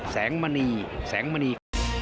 แสงมณีแสงมณี